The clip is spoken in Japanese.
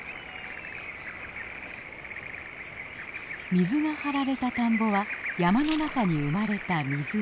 水が張られた田んぼは山の中に生まれた水辺。